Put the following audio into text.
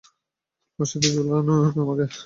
ফাঁসিতে ঝুলান আমাকে।